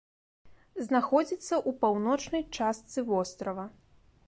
Знаходзіцца ў паўночнай частцы вострава.